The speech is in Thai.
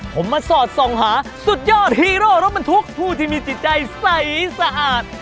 ผมมาสอดส่องหาฮีโรอสบรรทุกผู้ที่มีตัวใจใสสะอาด